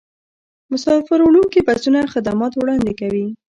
مسافروړونکي بسونه خدمات وړاندې کوي